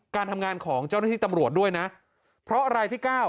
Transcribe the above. การทำงานของเจ้าหน้าที่ตำรวจด้วยนะเพราะรายที่เก้า